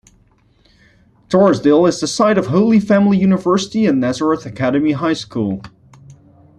Torresdale is the site of Holy Family University and Nazareth Academy High School.